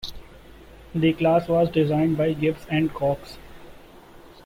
The class was designed by Gibbs and Cox.